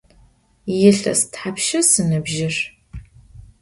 Yilhes thapşşa se sınıbjır?